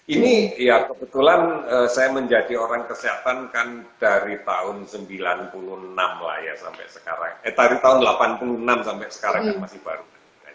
ini ya kebetulan saya menjadi orang kesehatan kan dari tahun seribu sembilan ratus delapan puluh enam sampai sekarang